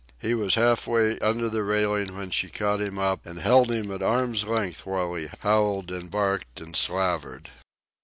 He was half way under the railing when she caught him up and held him at arm's length while he howled and barked and slavered.